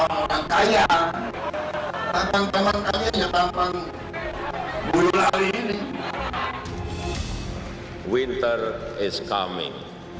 great indonesia great again